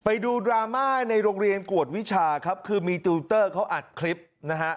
ไปดูดราม่าในโรงเรียนกวดวิชาครับคือมีติวเตอร์เขาอัดคลิปนะฮะ